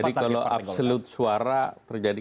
partai golkar jadi kalau absolute suara terjadi